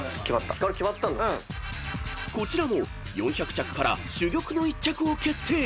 ［こちらも４００着から珠玉の１着を決定］